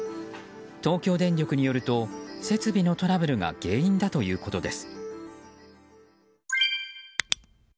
東京電力によると設備のトラブルが原因だということです。